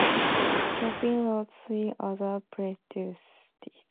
Chopin wrote three other preludes.